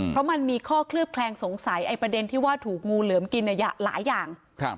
เพราะมันมีข้อเคลือบแคลงสงสัยไอ้ประเด็นที่ว่าถูกงูเหลือมกินหลายอย่าง